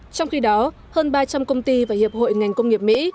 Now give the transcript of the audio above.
trong khi đó hơn ba trăm linh công ty và hiệp hội ngành công nghiệp mỹ